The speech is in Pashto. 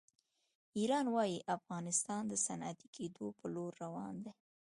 ایران وایي افغانستان د صنعتي کېدو په لور روان دی.